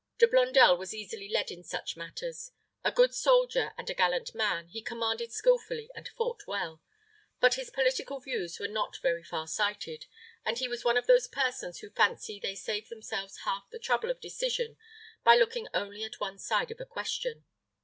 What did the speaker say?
De Blondel was easily led in such matters. A good soldier and a gallant man, he commanded skillfully and fought well; but his political views were not very far sighted, and he was one of those persons who fancy they save themselves half the trouble of decision by looking only at one side of a question.